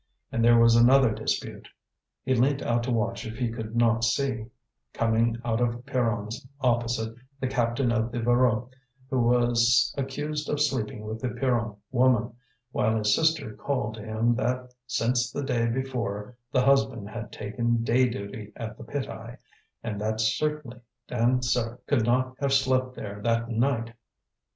And there was another dispute: he leant out to watch if he could not see, coming out of Pierron's opposite, the captain of the Voreux, who was accused of sleeping with the Pierron woman, while his sister called to him that since the day before the husband had taken day duty at the pit eye, and that certainly Dansaert could not have slept there that night.